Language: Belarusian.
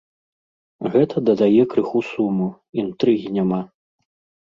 Гэта дадае крыху суму, інтрыгі няма.